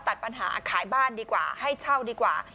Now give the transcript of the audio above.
ตัดปัญหาขายบ้านดีกว่าให้เช่าดีกว่า